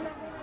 ibu sabar aja